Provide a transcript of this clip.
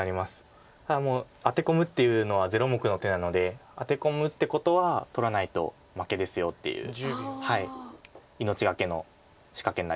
ただもうアテ込むっていうのは０目の手なのでアテ込むってことは取らないと負けですよっていう命懸けの仕掛けになります